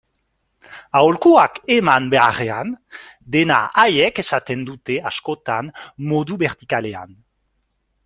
Aholkuak eman beharrean, dena haiek esaten dute askotan, modu bertikalean.